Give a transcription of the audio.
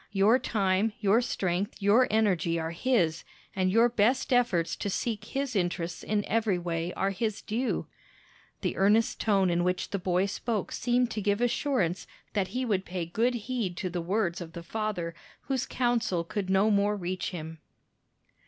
Your time, your strength, your energy, are his, and your best efforts to seek his interests in every way are his due.'" The earnest tone in which the boy spoke seemed to give assurance that he would pay good heed to the words of the father whose counsel could no more reach him.